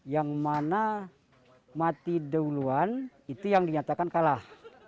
yang mana mati dahuluan itu yang dinyatakan kalah